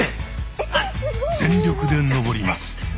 全力で登ります。